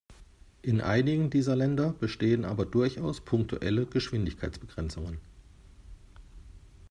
In einigen dieser Länder bestehen aber durchaus punktuelle Geschwindigkeitsbegrenzungen.